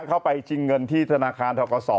เข้าไปชิงเงินที่ธนาคารทกศ